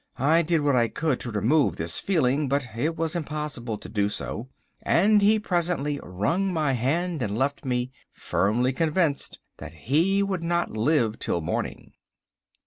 I did what I could to remove this feeling, but it was impossible to do so, and he presently wrung my hand and left me, firmly convinced that he would not live till morning."